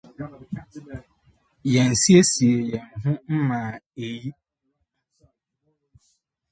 Yensiesiee yɛn ho mmaa eyi!